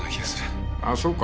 ああそうか？